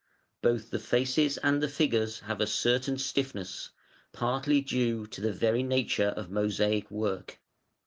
Both the faces and the figures have a certain stiffness, partly due to the very nature of mosaic work.